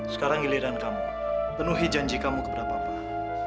sekarang giliran kamu penuhi janji kamu kepada bapak